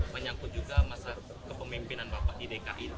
menyangkut juga masa kepemimpinan bapak di dki